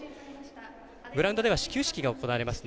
グラウンドでは始球式が行われます。